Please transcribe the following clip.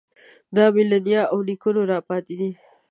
دا مې له نیا او نیکونو راپاتې دی.